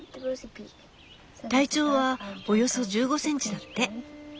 「体長はおよそ１５センチ」だって。